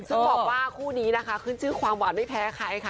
ซึ่งบอกว่าคู่นี้นะคะขึ้นชื่อความหวานไม่แพ้ใครค่ะ